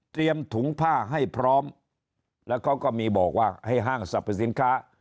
ถุงผ้าให้พร้อมแล้วเขาก็มีบอกว่าให้ห้างสรรพสินค้า